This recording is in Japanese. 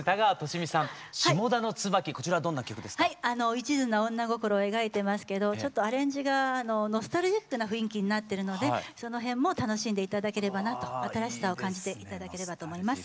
いちずな女心を描いてますけどちょっとアレンジがノスタルジックな雰囲気になってるのでその辺も楽しんで頂ければなと新しさを感じて頂ければと思います。